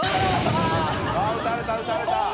撃たれた撃たれた。